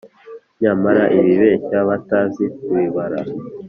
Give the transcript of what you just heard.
nyamara bibeshya batazi kubibara.